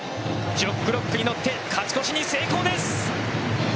ジョックロックに乗って勝ち越しに成功です。